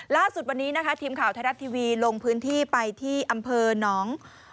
ล่าสุดวันนี้นะคะทีมข่าวไทยรัฐทีวีลงพื้นที่ไปที่อำเภอหนอง